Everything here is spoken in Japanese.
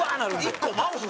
１個マウス。